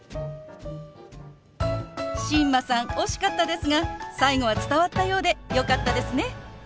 新間さん惜しかったですが最後は伝わったようでよかったですね。